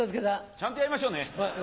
ちゃんとやりましょうね！